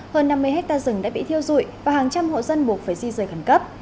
hơn năm mươi hectare rừng đã bị thiêu dụi và hàng trăm hộ dân buộc phải di rời khẩn cấp